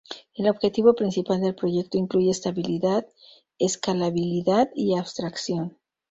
El objetivo principal del proyecto incluye estabilidad, escalabilidad y abstracción.